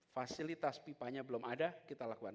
fasilitas pipanya belum ada kita lakukan